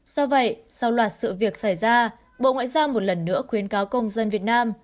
do vậy sau loạt sự việc xảy ra bộ ngoại giao một lần nữa khuyến cáo công dân việt nam